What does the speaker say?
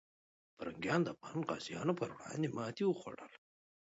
پرنګیان د افغان غازیو پر وړاندې ماتې وخوړله.